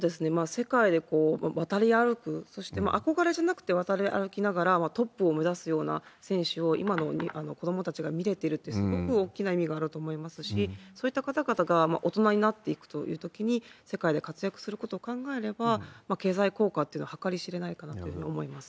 世界で渡り歩く、そして憧れじゃなくて渡り歩きながら、トップを目指すような選手を今の子どもたちが見れてるって、すごく大きな意味があると思いますし、そういった方々が大人になっていくというときに、世界で活躍することを考えれば、経済効果っていうのは計り知れないかなというふうに思います。